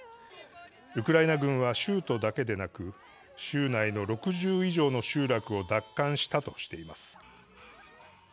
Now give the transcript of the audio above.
ウクライナ軍は、州都だけでなく州内の６０以上の集落を奪還したとしています。